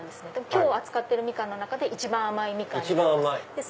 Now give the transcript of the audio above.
今日扱ってるみかんの中で一番甘いみかんになります。